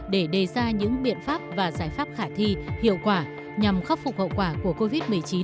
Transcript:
để đề ra những biện pháp và giải pháp khả thi hiệu quả nhằm khắc phục hậu quả của covid một mươi chín